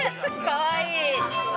かわいい。